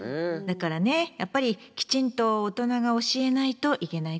だからねやっぱりきちんと大人が教えないといけないことよね。